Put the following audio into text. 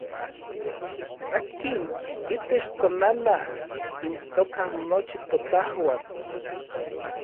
Akin itech konanaj intoka nochi totajuan.